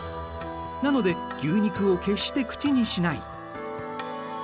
なので牛肉を決して口にしない。